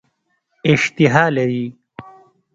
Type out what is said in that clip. اشتها لري.